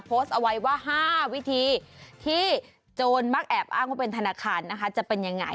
โพสต์เอาไว้ว่า๕วิธีที่โจรมักแอบอ้างว่าเป็นธนาคารนะคะจะเป็นยังไง